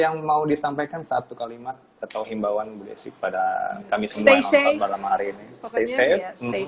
yang mau disampaikan satu kalimat atau himbawan bu desi pada kami semuanya malam hari ini stay safe